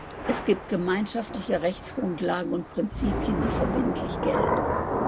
Es gibt gemeinschaftliche Rechtsgrundlagen und Prinzipien, die verbindlich gelten.